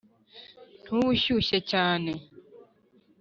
ntuba ushyushye cyane,